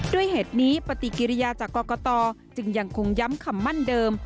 ด้วยเหตุนี้ปฏิกิริยาจากกรกตจึงยังคงย้ำคำมั่นเดิม